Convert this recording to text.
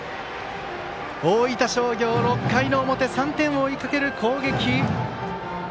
大分商業、６回の表３点を追いかける攻撃。